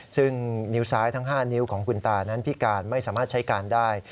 ซึ่งนิ้วซ้ายทั้ง๕นิ้วของคุณตานั้นพิการไม่สามารถใช้การได้